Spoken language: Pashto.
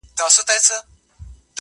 • د بچو خالي ځالۍ ورته ښکاره سوه -